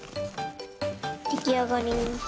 できあがり！